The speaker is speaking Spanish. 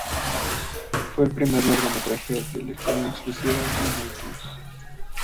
Fue el primer largometraje de "estreno en exclusiva en iTunes".